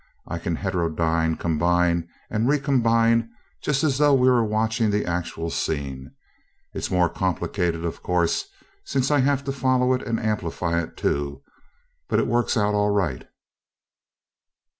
I can heterodyne, combine, and recombine just as though we were watching the actual scene it's more complicated, of course, since I have to follow it and amplify it too, but it works out all right."